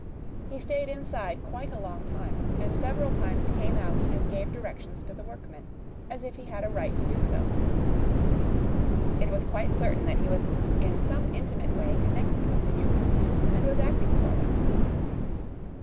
He stayed inside quite a long time, and several times came out and gave directions to the workmen, as if he had a right to do so. It was quite certain that he was in some intimate way connected with the newcomers and was acting for them.